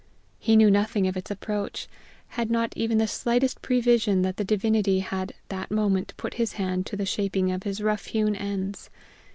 He knew nothing of its approach, had not the slightest prevision that the divinity had that moment put his hand to the shaping of his rough hewn ends.